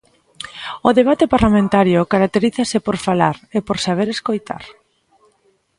O debate parlamentario caracterízase por falar e por saber escoitar.